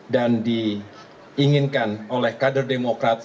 dan diinginkan oleh kader demokrat